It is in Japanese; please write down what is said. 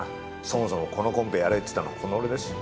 そもそもこのコンペやれって言ったのこの俺だし。